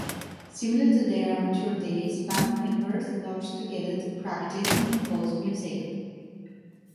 Similar to their amateur days, band members lodged together to practise and compose music.